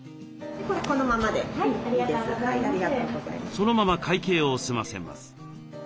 そのまま会計を済ませます。